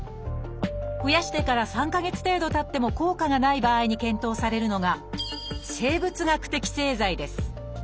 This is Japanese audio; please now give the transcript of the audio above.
増やしてから３か月程度たっても効果がない場合に検討されるのが生物学的製剤です